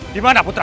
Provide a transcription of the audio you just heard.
di mana putra